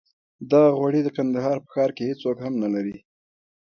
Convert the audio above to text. دغه غوړي د کندهار په ښار کې هېڅوک هم نه لري.